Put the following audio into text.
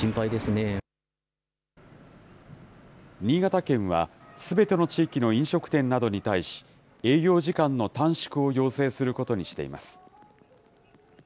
新潟県は、すべての地域の飲食店などに対し、営業時間の短縮を要請することにしています。